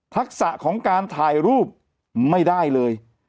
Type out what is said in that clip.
ทักษะของการถ่ายรูปไม่ได้เลย